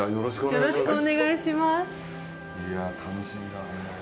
よろしくお願いします。